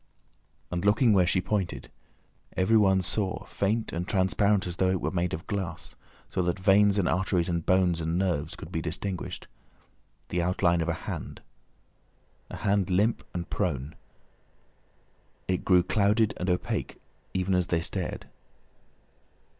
And looking where she pointed, everyone saw, faint and transparent as though it was made of glass, so that veins and arteries and bones and nerves could be distinguished, the outline of a hand, a hand limp and prone. It grew clouded and opaque even as they stared.